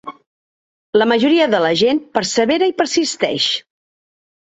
La majoria de la gent persevera i persisteix.